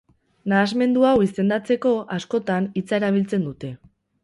Nahasmendu hau izendatzeko, askotan, hitza erabiltzen dute.